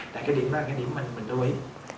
để cái điểm đó là cái điểm mình đưa ý